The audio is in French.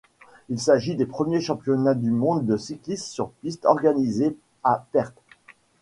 Il s'agit des premiers championnats du monde de cyclisme sur piste organisés à Perth.